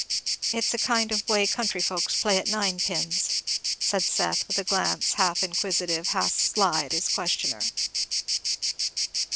It's a kind of way country folks play at ninepins," said Seth, with a glance half inquisitive, half sly, at his questioner.